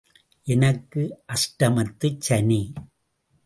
எனக்கு அஷ்டமத்துச் சனி.